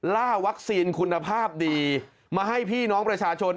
ล่าวัคซีนคุณภาพดีมาให้พี่น้องประชาชน